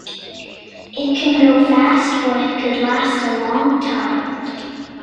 It can go fast or it could last a long time.